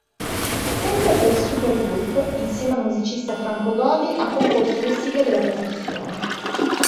Sempre per Supergulp, insieme al musicista Franco Godi, ha composto le sigle della trasmissione.